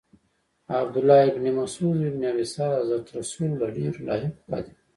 عبدالله بن سعد بن ابی سرح د حضرت رسول له ډیرو لایقو کاتبانو.